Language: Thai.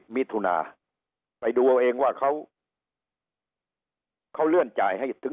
มิถุนาไปดูเอาเองว่าเขาเลื่อนจ่ายให้ถึง